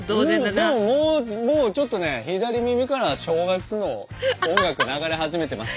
でももうちょっとね左耳から正月の音楽流れ始めてます。